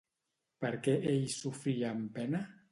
Per què ell sofria amb pena?